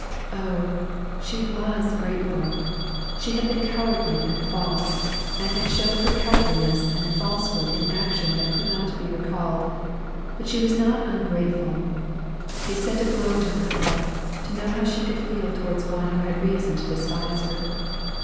Oh! she was grateful! She had been cowardly and false, and had shown her cowardliness and falsehood in action that could not be recalled; but she was not ungrateful. It sent a glow to her heart, to know she could feel towards one who had reason to despise her.